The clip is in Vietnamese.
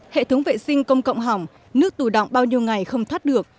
hệ thống vệ sinh công cộng hỏng nước tù động bao nhiêu ngày không thoát được